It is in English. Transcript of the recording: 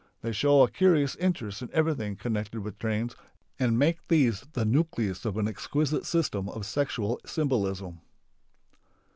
They show a curious interest in everything connected with trains and make these the nucleus of an exquisite system of sexual symbolism."